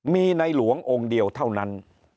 มีในหลวงองค์เดียวเท่านั้น